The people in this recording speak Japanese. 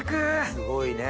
すごいね。